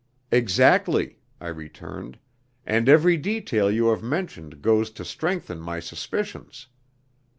"Exactly," I returned, "and every detail you have mentioned goes to strengthen my suspicions.